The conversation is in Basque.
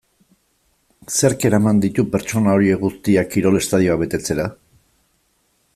Zerk eraman ditu pertsona horiek guztiak kirol estadioak betetzera?